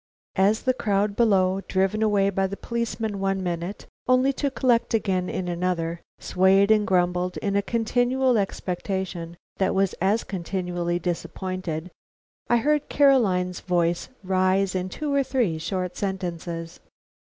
As the crowd below, driven away by the policemen one minute, only to collect again in another, swayed and grumbled in a continual expectation that was as continually disappointed, I heard Caroline's voice rise in two or three short sentences.